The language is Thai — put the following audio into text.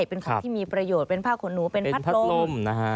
เป็นของที่มีประโยชน์เป็นผ้าขนหนูเป็นพัดลมนะฮะ